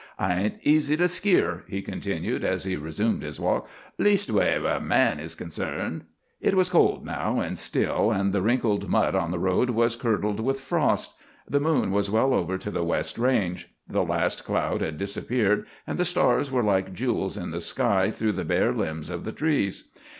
I ain't easy to skeer," he continued as he resumed his walk, "leastways where men is concarned." It was cold now, and still, and the wrinkled mud on the road was curdled with frost. The moon was well over to the west range. The last cloud had disappeared, and the stars were like jewels in the sky through the bare limbs of the trees.